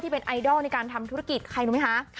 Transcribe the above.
เป็นไอดอลในการทำธุรกิจใครรู้ไหมคะ